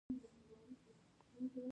ده ته مې وویل: پاس راشه، زینه هلته پرته ده.